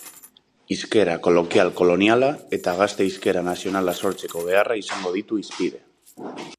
Hizkera kolokial-koloniala eta gazte hizkera nazionala sortzeko beharra izango ditu hizpide.